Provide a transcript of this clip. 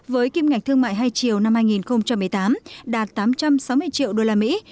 với kim ngạch thương mại hai triệu năm hai nghìn một mươi tám đạt tám trăm sáu mươi triệu đô la mỹ